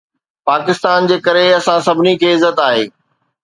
پاڪستان جي ڪري اسان سڀني کي عزت آهي.